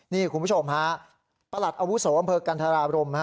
นี่คุณผู้ชมฮะประหลัดอาวุโสอำเภอกันธราบรม